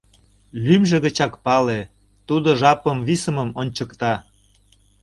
Лӱмжӧ гычак пале: тудо жапым висымым ончыкта.